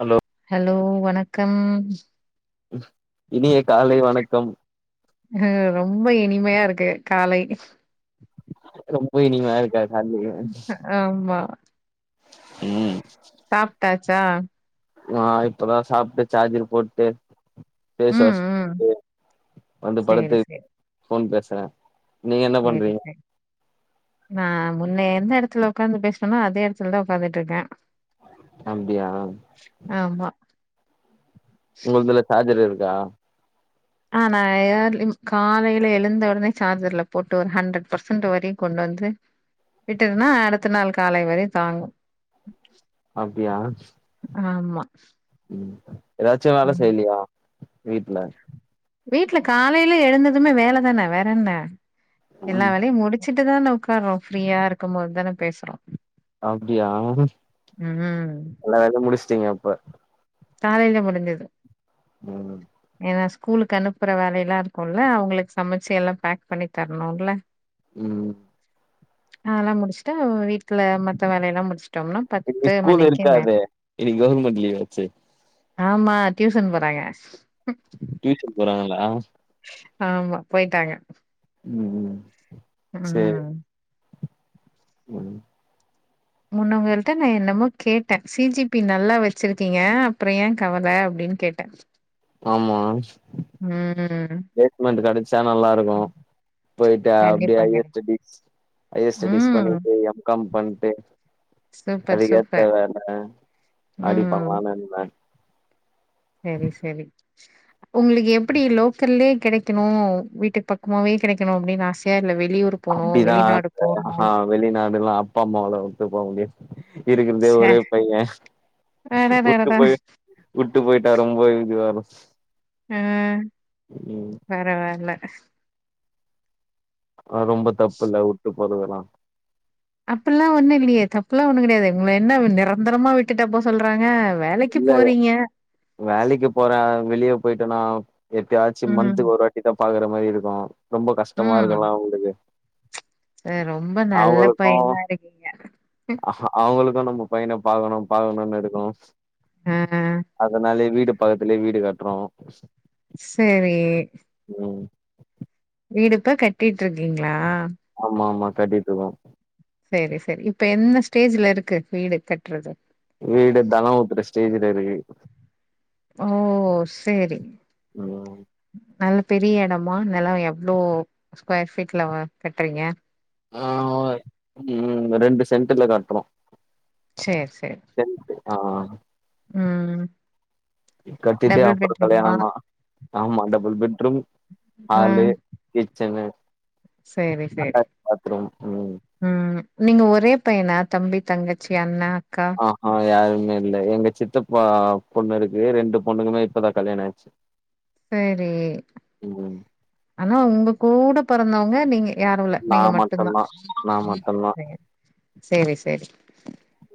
Hello hello வணக்கம், ம், இனிய காலை வணக்கம், ம் ரொம்ப இனிமையா இருக்கு காலை ரொம்ப இனிமையா இருக்கா கால்லியே ஆமா ம் டாச்சா நா இப்பதா சாப்ட்டு சார்ஜர் போட்டு ஃபேஸ் ம், வாஷ் ம். டு வந்து படுத்து சரி, ஃபோன் பேசுற சேரி சே நா முன்ன எந்த எடத்துல உக்காந்து பேசுனனோ அதே எடத்துலதா உக்காந்துட்டுருக்க அப்டியா ஆமா உங்கள்துல சார்ஜர் இருக்கா ஆ நா இயர்லி காலைல எழுந்த உடனே சார்ஜர்ல போட்டு ஒரு ஹண்ட்ரட் பர்சன்ட் வரை கொண்டு வந்து விட்டுர்னா அடுத்த நாள் காலை வரை தாங்கு அப்டியா ஆமா ம், ஏதாச்சு வேல ம். செய்லியா வீட்ல வீட்ல காலைல எழுந்ததுமே வேலதான வேறென்ன எல்லா வேலயு முடி ச்சிட்டுதான உக்காற்றோ ஃப்ரீயா இருக்கும்போதுதான பேசுறோ அப்டியா, எல்லா வேலயு முடிச்ட்டீங்க அப்ப காலைல முடிஞ்சது ம் ஏன்னா ஸ்கூலுக்கு அனுப்புற வேலைல்லா இருக்கும்ல அவங்ளுக்கு சமச்சு எல்லா பேக் பண்ணி தரணும்ல ம் அதல்லா முடிச்சிட்ட வீட்ல மத்த வேலயெல்லா முடிச் ட்டோம்னா இன்னைக்கு பத்து ஸ்கூல் மணிக்கு மேல இருக்காதே இன்னைக்கு கவர்மெண்ட் லீவ் ஆச்சே ஆமா, டியூசன் போறாங்க டியூஷன் போறாங்களா ஆமா போயிட்டாங்க ம் ம் அ அ சேரி ம் முன்ன உங்கள்ட்ட நா என்னமோ கேட்ட சி ஜி பி நல்லா வச்சிருக்கீங்க அப்பறோ ஏன் கவல அப்டின்னு கேட்ட ஆமா ம் பிலேஸ்மெண்ட் கடைச் ச்சா நல்லா இருக்கு போய்ட்டா அப்டியே கண்டிப்பா ஐ யே கெடைக்கு செக் பி ஹையர் ஸ்டடிஸ் ம் பண்ணிட்டு எம் காம் பண்ட்டு சூப்பர் அதுகேத்த சூப்பர் வெல ம் அடிப்பன்லானிருந்த சேரி சேரி உங்களுக்கு எப்டி லோக்கல்லே கெடைக்கணு வீட்டுக்கு பக்கமாவே கெடைக்கணு அப்டின்னு ஆசையா இல்ல வெளியூர் போணு, அப்டிதா வெளிநாடு ஆச போணு. ஆஹா வெளிநாடு லா அப்பா அம்மாவல உட்டு போக முடியாது இருக்கிறதே ச்சே ஒரே பைய ஒத்து அடடடடா! போய் வுட்டு போய்ட்டா ரொம்ப இது வா ஆ பரவால்ல ஆ ரொம்ப தப்புல உட்டு போறதெல்லா அப்பல்லா ஒண்ணு இல்லையே தப்புல்லா ஒண்ணு கெடையாது உங்க என்ன நிரந்தரமா விட்டுட்டா போக சொல்றாங்க வேலைக்கு இல்ல போறீங்க. வேலைக்கு போற வெளிய போயிட்டனா எப்பயாச்சி ம், மந்த்க்கு ஒருவாட்டி இத பாக்கற மாரி இருக்கு ரொம்ப கஷ்டமா இருக்குல அவுங்களுக்கு ஆ ரொம்ப நல்ல பைனா இருக்கீங்க ஆ அவங்களுக்கு நம்ம பையன பாக்கணு பாக்கணு இருக்கு அ அ அதனாலயே வீடு பக்கத்துலயே வீடு கட்றோ சேரி ம் வீடு இப்ப கட்டிட்டுடிருக்கீங்களா ஆமா ஆமா கட்டிட்ருக்றோம் சேரி சேரி இப்ப என்ன ஸ்டேஜ்ல இருக்கு வீடு கட்றது வீடு தலோ ஒட்ற ஸ்டேஜ்ல இருக்கு ஓ சேரி ம் நல்லா பெரிய எடமா நல்லா எவ்ளோ ஸ்கொயர் ஃபீட்ல வ கட்டுறீங்க ஆ ம் ரெண்டு சென்ட்ல கட்டுறோம் சேர் சேர் சென்டு தா ம் ம் கட்டிட்டே அப்புற கல்யாண தா ஆமா டபுள் பெட்ரூம் ஹாலு ம் கிச்சனு சேரி சேரி அட்டாச் பாத்ரூம் ம் ம் நீங்க ஒரே பையனா தம்பி தங்கச்சி அண்ணா அக்கா ஆஹா யாருமே இல்ல எங்க சித்தப்ப பொண்ணு இருக்கு ரெண்டு பொண்ணுங்கமே இப்தா கல்யாணம் ஆச்சு சேரி ம் ஆனா உங்க கூட பிறந்தவங்க நீங்க யாரு இல்ல நா நீங்க மட்டுதா மட்டுந்தா நா மட்டுந்தா சேர் சேரி சேரி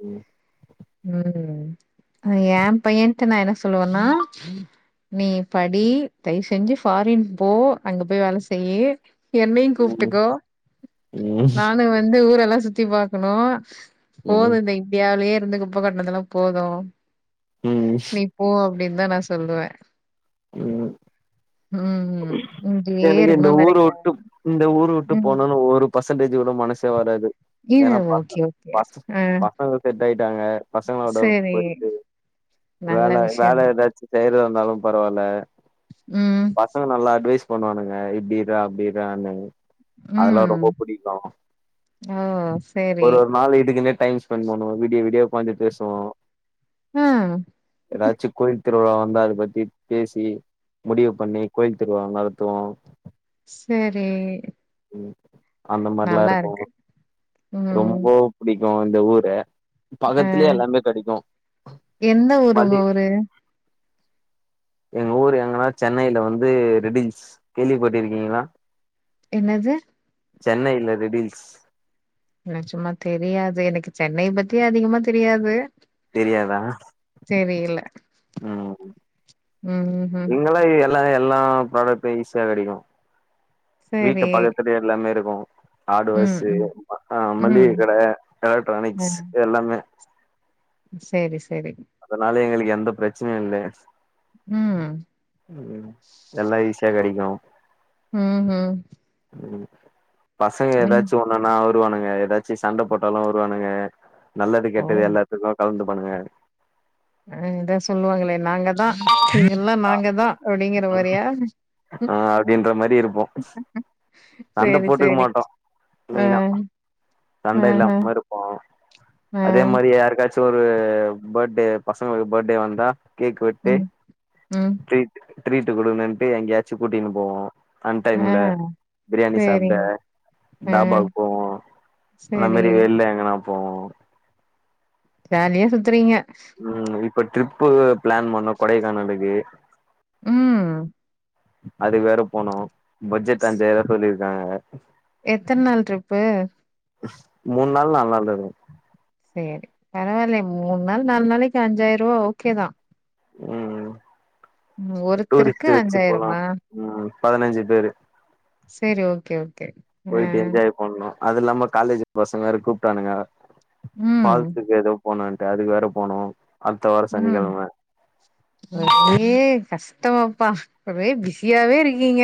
ம் ம் எ பையன்ட்ட நா என்ன சொல்லுவனா நீ படி தயவுசெஞ்சு ஃபாரின் போ அங்க போய் வேல செய்யு என்னையு ம் கூப்ட்டுக்கோ ம் நானு வந்து ஊரெல்லா சுத்தி பாக்குணு போது ம் இந்த இந்தியாவிலயே இருந்து குப்ப கொட்டனதல்ல போது ம் நீ போ அப்டின் தா நா சொல்லுவே ம் ம் இங்கயே எனக் இந்த இருக்கணுனு ஊரு நெனைக்காத உட்டு இந்த ஊரு உட்டு ம் போனுன் ஒரு பர்சன்டேஜ் கூட மனசே வராது இது ஏன்னா ப ப ஓகே ஓகே ப ஆ ப ப செட் ஆயிட்டாங்க பசங்களோட சேரி போயிட்டு நல்ல வேல வேல விஷயந்தா எதாச்சு செய்யற ந்தாலு பரவால்ல ம் பசங்க நல்லா அட்வைஸ் பண்ணுவானுங்க இப்படி இரு அப்டியிற்றான்னு அதெல்லா ம் ரொம்ப புடிக்கு ஓ சேரி ஒரு ஒரு நாள் இதுக்கெண்ணெ டைம் ஸ்பென்ட் பண்ணுவோ வீடிய வீடிய உக்காந்தி பேசுவோ ஆ எதாச்சு கோயில் திருவிழா வந்த அத பத்தி பேசி முடிவு பண்ணி கோவில் திருவிழா நடத்துவோ சேரி ம் அந்த மாதிர்லா இருக்கு ம் ரொம்ப புடிக்கு இந்த ஊர ஆ பக்கத்துலயே எல்லாமே கிடைக்கு எந்த ஊரு உங்க மல்லி ஊரு எங்க ஊர் எங்கன்னா சென்னையில வந்து ரெடில் கேள்விப்பட்டிருக்கீங்களா என்னது சென்னையில ரெடில்ஸ் ன்னா சும்மா தெரியாது எனக் சென்னை பத்தி அதிகமா தெரியாது தெரியாதா தெரியல ம் ம் ம் இங்களா எல்லா எல்லா ப்ராடக்ட்டு ஈஸியா கிடைக்கு வீட்டு சேரி பக்கத்துலயே எல்லாமே இருக்கு ம் ஹார்ட்வேர்ஸ்சு ம் அ ஆ மல்லிக ம் கட ஆ எலக்ட்ரானிக்ஸ் எல்லாமே சேரி சேரி அதனால எங்களுக் எந்த பிரச்சனையு இல்ல ம் ம் எல்லா ஈஸியா கெடைக்கு ம் ம் ம் பசங்க ம் எதாச்சு ன்னா வருவானுங்க எதாச்சு சண்ட போட்டாலு வருவானுங்க நல்லது ஓ கெட்டது எல்லாத்துக்கு கலந்துப்பாண்ணுங்க ஆ இதோ சொல்லுவாங்களே நாங்கதா எல்லா நாங்கதா அப்டிங்கிறமாரியா ம் ஆ அப்டின்ற மாரி இருப்போ சண்ட சேரி போட்டுக்க சேரி மாட்டோ மெயினா ம் சண்ட இல்லாம இருக்கு ஆ அதே மாரி யாருக்காச் சு ஒரு பர்த்டே பசங்களுக் பர்த்டே வந்தா கேக் வெட்டு ம் ம் ட்ரீட ட்ரீட் கொடுண்ன்ட்டு எங்கயாச்சு கூட்டின் போவோ அன் ஆ டைம்ல பிரியாணி சாப்ட சேரிங்க ஆ தாபாவுக் போவோ அந்த சேரி மாரி வெள்ள எங்கனா போவோ ஜாலியா சுத்துறீங்க ம் இப்ப ட்ரிப்பு பிளான் பண்ணோ கொடைக்கானலுக்கு ம் அது வேற போனு பட்ஜெட் அஞ்சாயிரோ சொல்லிருக்காங்க எத்தன் நாள் ட்ரிப்பு மூண் நாள் நாலு நாள் இருக்கு சரி பரவாயில்லியே மூண் நாள் நாலு நாளைக்கு அஞ்சாயிரோ ருவா ஓகே தா ம் ம் ஒருத்தருக்கு டூரிஸ்ட்ட்ஞு வச்சு போலா அஞ்சாயிரமா ம் பதினஞ்சு பேரு செரி ஓகே ஓகே ஆ பொயிட்டு என்ஜாய் பண்ணணு அது இல்லாம காலேஜ் பசங்க வேற கூப்ட்டானுங்க ம் ஃபால்ஸுக்கு ஏதோ போனுன்ட்டு அதுக்கு வேற போனு அடுத்த வாரோ ம் சனிக்கெழம ஒரே கஷ்டமப்பா ஒரே பிஸியாவே இருக்கீங்க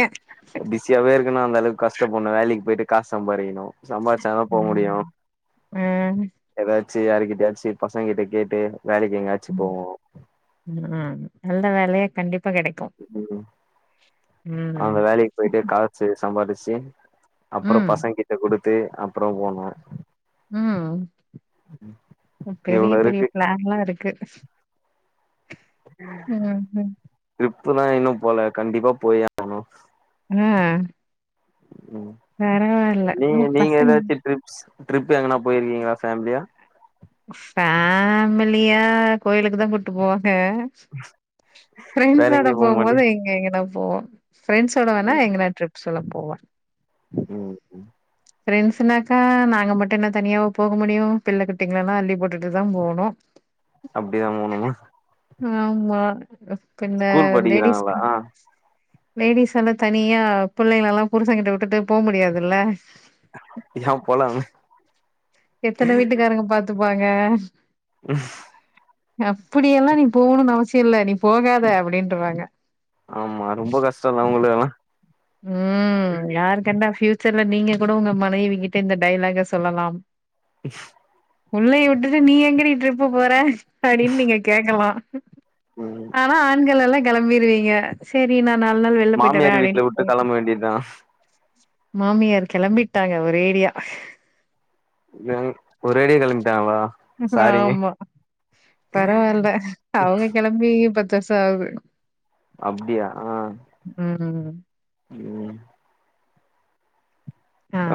பிசியாவே இருக்கனுன்னா அந்தளவுக்கு கஷ்டப்பட்ணு வேலைக்கு பொய்ட்டு காசு சம்பாரிக்ணு சம்பாரிச்சா தா போ முடியு ஆ ஏதாச்சு யாருக்கிட்டயாச்சு பசங்க கிட்ட கேட்டு வேலைக்கு எங்கயாச்சு போவோ அ நல்ல வேலையா கண்டிப்பா கெடைக் ம் அந்த வேலைக்கு பொயிட்டு கால் ச்சு சம்பாரிச்சு அப்புறோ ம் பசங்க கிட்ட குடுத்து அப்புறோ போனு ம் பெரிய இவ்ளோ பெரிய இருக்கு பிளான்ல்லா இருக்கு ம் ம் ட்ரிப்புல்லா இன்னு போலே கண்டிப்பா போயே ஆணு ம் ம் பரவால்ல நீங்க நம்ம நீங்க பசங் எதாச்சு ட்ரிப்ஸ் ட்ரிப் எங்கனா பொயிருக்கீங்ளா ஃபேம்லியா ஃபேமிலியா கோயிலுக்குதா கூட்டு போவாங்க வேற ஃபிரெண்ட்ஸோட எங்கயு போ மாட்டி போம்போது எங்க எங்கனா போவோ ஃப்ரெண்ட்ஸோட வேணா எங்கனா ட்ரிப்ஸெல்லா போவே ம் ம் ஃப்ரெண்ட்ஸுனாக்கா நாங்க மட்டு என்ன தனியாவா போக முடியு பிள்ளக் குட்டீங்களலெல்லா அள்ளி போட்டுட்டுதா போணு அப்பிடிதா போணுமா ஆமா பின்ன ஸ்கூல் லேடிஸ் படிக்கிறாங்களா ஆ லேடிஸ் எல்லா தனியா புள்ளைங்களஎல்லா புருசங்கிட்ட விட்டுட்டு போ முடியாதுல்ல யா போலாமே எத்தன வீட்டுக்காரங்க பாத்துப்பாங்க அப்பிடியெல்லா நீ போகணுனு அவசியோ இல்ல நீ போகாத அப்டின்றுவாங்க ஆமா ரொம்ப கஷ்டோல்ல உங்ளுக்கெல்லா ம் யாரு கண்டா ஃபியூச்சர்ல நீங்க கூட உங்க மனைவி கிட்ட இந்த டயலாக சொல்லலாம் புள்ளய விட்டுட்டு நீ எங்கடி ட்ரிப்பு போறே அப்பிடின்னு நீங்க கேக்கலா ம் ஆனா ஆண்கள் எல்லா கெளம்பிருவீங்க சரி நா நாலு நாள் வெள்ல பொய்ட்டு மாமியார் வர்றே வீட்ல அப்பிடின்னு விட்டு கெளம்ப வேண்டியதா மாமியார் கெளம்பிட்டாங்க ஒரேடியா எங் ஒரேடியா கெளம்பிட்டாங்ளா ஆமா பரவால்ல அவுங்க கெளம்பி பத்து வர்ஷோ ஆகுது அப்டியா ம் ம் ம்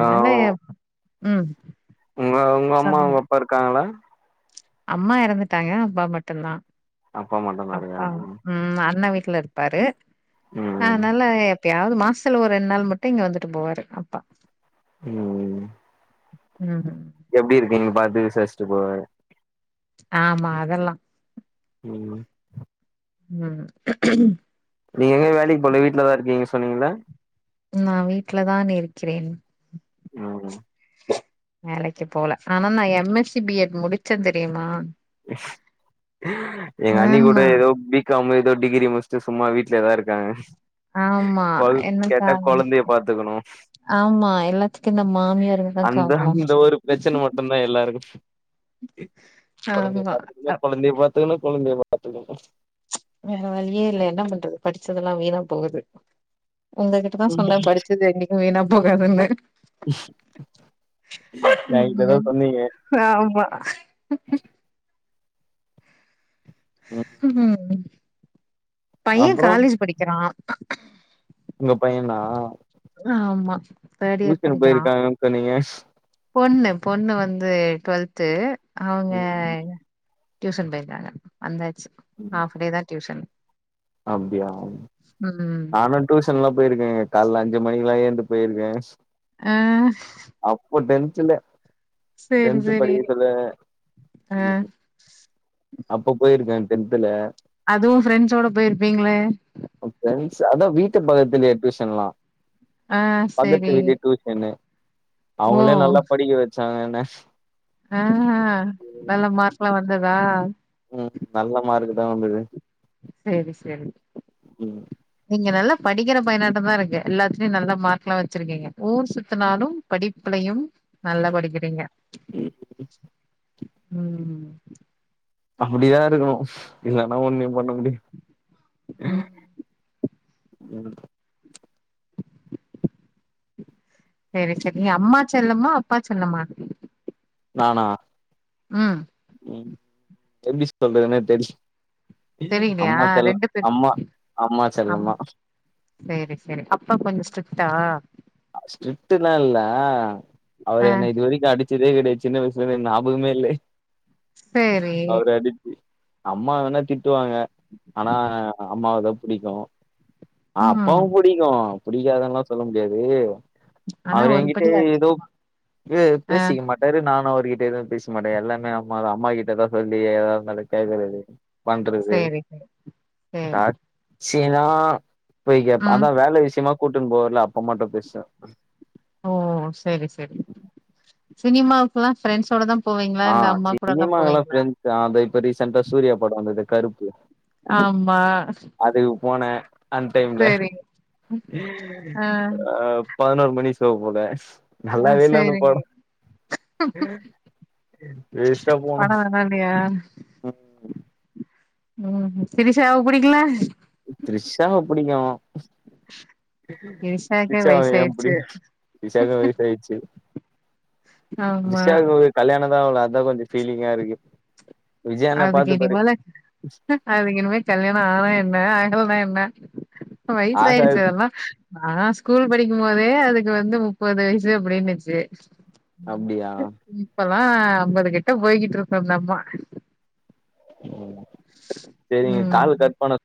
ஆ இல்லயே ம் உங்க உங்க அம்மா சொல்லுங்க. உங்க அப்பா இருக்காங்ளா அம்மா இறந்துட்டாங்க அப்பா மட்டு தா அப்பா மட்டுந்தா அப்பா இருக்காங்க ம் அண்ண வீட்ல இருப்பாரு ம் அதனால எப்பயாவது மாசத்துல ஒரு ரெண்டு நாள் மட்டு இங்க வந்துட்டு போவாரு அப்பா ம் ம் எப்டி இருக்கீங்கனு பாத்து விசாரிச்சுட்டு போவாரு ஆமா அதல்லா ம் ம் நீங்க எங்கயு வேலைக்கு போல வீட்லதா இருக்கீங்க சொன்னீங்ள நா வீட்ல தான் இருக்கிறேன் ஆமா வேலைக்கி போல ஆனா நா M S C B Ed முடிச்ச தெரியுமா எங்க அண்ணி கூட ஆமா, ஏதோ பி காம் ஏதோ டிகிரி முடிச்சுட்டு சும்மா வீட்ல தா இருக்காங்க ஆமா கொழ எனக்கு கேட்டா கொழந்தைய பாத்துக்கணு ஆமா எல்லாத்துக்கு இந்த மாமியார்ங்தா அந்த காரணோ அந்த ஒரு பிரச்சன மட்டுந்தா எல்லாருக்கு கொழந்தைய பாத்துக்கங்க கொழந்தைய பாத்துக்கணு கொழந்தைய பாத்துக்கணு வேற வழியே இல்ல என்ன பண்றது படிச்சதெல்லா வீணா போகுது உங்ககிட்டதா ம் சொன்ன படிச்சது என்னைக்கு வீணா போகாதுன்னு என்கிட்ட தா ம் சொன்னீங்க ஆமா ம் ம் பையன் அப்றோ காலேஜ் படிக்கிறான் உங்க பையனா ஆமா தேர்ட் இயர் டியூஷன் படிக்கிறா போயிருக்காங்கன்னு சொன்னீங்க பொண்ணு பொண்ணு வந்து டுவெல்த்து அவுங்க ம் டியூசன் போயிருக்காங்க வந்தாச்சு ம் ஹாஃப் டே தா டியூசன் அப்டியா நானு டியூஷன்லா போயிருக்கேங்க கால்ல அஞ்சு மணிக்குலா எந்து போயிருக்க ஆ அப்போ டென்த்ல சேரி டென்த்து சேரி படிக்ககுள்ள ஆ ம் அப்ப போயிருக்க டென்த்துல அதுவு ஃப்ரெண்ட்ஸோட போயிருப்பீங்ளே ம் ஃப்ரெண்ட்ஸ் அதா வீட்டு பக்கத்துலே ட்யூஷன்லா ஆ பக்கத்து சேரி வீடே டியூசனு ஓ அவுங்களே நல்லா படிக்க வச்சாங்க என்ன ஆ நல்லா மார்க்லா வந்ததா ம் நல்ல மார்க் தா வந்தது செரி செரி ம் நீங்க நல்லா படிக்கிற பயனாட்டந்தா இருக்கு எல்லாத்துலயு நல்லா மார்க்லா வச்சிருக்கீங்க ஊர் சுத்துனாலு படிப்லையு நல்லா படிக்கிறீங்க ம் அப்பிடிதா இருக்கணு இல்லனா ஒன்னும் பண்ண முடியு ம் ம் செரி செரி நீ அம்மா செல்லமா அப்பா செல்லமா நானா ம் ம் எப்டி சொல்றதுனே தெரி தெரியலையா அம்மா செல்ல ரெண்டு பேர் அம்மா அம்மா செல்லந்தா சேரி சேரி அப்பா கொஞ்சோ ஸ்ட்ரிட்டா அ ஸ்ட்ரிட்டுலா இல்ல அவர் ஆ என்ன இது வரைக்கு அடிச் சதே கெடையா சின்ன வயசுலருந்தே எந் நியாபகமே இல்லே சேரி அவரு அடிச்சி அம்மா வேணா திட்டுவாங்க ஆனா அம்மாவதா பிடிக்கு ஆ ம் அப்பாவு புடிக்கு புடிக்காதுன்லா சொல்ல முடியாது ஆனா அவரு ஒரு எங்கிட்ட படி எதோப் அதிகமா ஆ பே-பேசிக்க மாட் டாரு நானு அவர்கிட்டே எதுவு பேச மாட்டே எல்லாமே அம்மாதா அம்மா கிட்டதா சொல்லி எதா இருந்தாலு கேக்கறது பண்றது சேரி சேரி சேரி [unintelligible] சினா போய் கேப் ம் அதா வேல விஷ்யமா கூட்டுன் போவல அப்ப மட்டு பேசுவே ஓ ஓ செரி செரி சினிமாவுக்குலா ஃப்ரெண்ட்ஸ்ஸோடதாம் போவீங்ளா இல்ல அம்மாக் கூடதாம் போவீங்ளா தா அந்து இப்ப ரீசென்ட்டா சூர்யா படோ வந்ததே கருப்பு ஆமா அதுக்கு போனே அன்டைம்ல செரி ஆ அப் பதனோரு மணி ஷோ போனே ஆ நல்லாவே இல்ல அந்த சேரிங்க படோ வேஸ்ட்டா போனோ டியா ம் ம் ம் ம் த்ரிஷாவ புடிக்கல த்ரிஷாவ புடிக்கு த்ரிஷாவுக்கே த்ரிஷாவ ஏ வயசாயிர்ச்சு புடிக்கு த்ரிஷாக்கு வயசாயிடுச்சு ஆமா த்ரிஷாவுகு கல்யாணந்தா ஆவல அதா கொஞ்சோ ஃபீலிங்காருக்கு அதுக்கு இனிமேல அது இனிமே கல்யாண ஆனா என்ன ஆகலனா என்ன வயசாயிருச்சி ஆகாது அதெல்லா நாலா ஸ்கூல் படிக்கும்போதே அதுக்கு வந்து முப்பது வயசு அப்டினுச்சி அப்டியா இப்பலா அம்பதுகிட்ட போய்கிட்ருக்கு அந்தம்மா ம் சேரிங்க ம் கால் கட் பண்ண